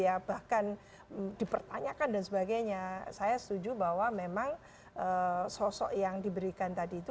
ya bahkan dipertanyakan dan sebagainya saya setuju bahwa memang sosok yang diberikan tadi itu